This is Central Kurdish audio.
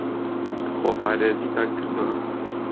خۆپارێزیتان کردووە؟